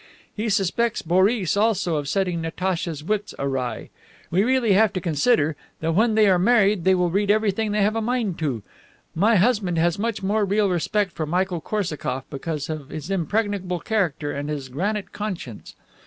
He suspects Boris also of setting Natacha's wits awry. We really have to consider that when they are married they will read everything they have a mind to. My husband has much more real respect for Michael Korsakoff because of his impregnable character and his granite conscience.